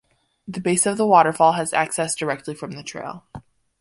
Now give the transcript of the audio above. The base of the waterfall has access directly from the trail.